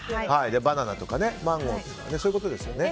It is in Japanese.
バナナとかマンゴーはそういうことですね。